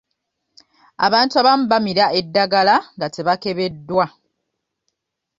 Abantu abamu bamira eddagala nga tebakebeddwa.